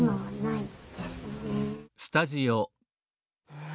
うん。